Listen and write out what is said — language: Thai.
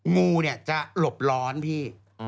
งูเนี่ยจะหลบร้อนพี่